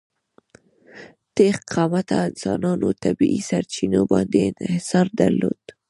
نېغ قامته انسانانو طبیعي سرچینو باندې انحصار درلود.